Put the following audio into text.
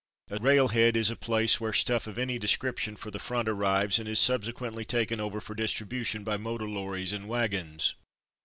A railhead is a place where stuff of any description for the front arrives and is subsequently taken over for distribution by motor lorries and wagons.